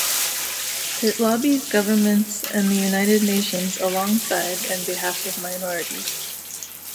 It lobbies governments and the United Nations alongside and behalf of minorities.